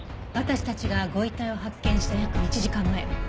私たちがご遺体を発見した約１時間前。